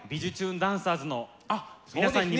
ダンサーズの皆さんにも。